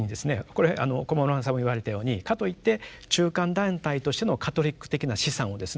これ駒村さんも言われたようにかといって中間団体としてのカトリック的な資産をですね